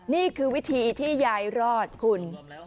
นี่คือวิธีที่ยายรอดคุณ